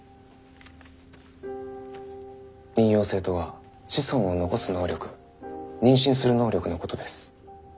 「妊孕性」とは子孫を残す能力妊娠する能力のことです。